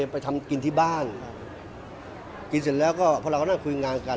ไปทำกินที่บ้านกินเสร็จแล้วก็พวกเราก็นั่งคุยงานกัน